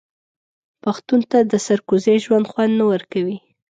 پښتون ته د سرکوزۍ ژوند خوند نه ورکوي.